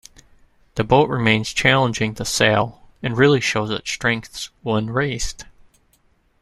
The boat remains challenging to sail, and really shows its strengths when raced.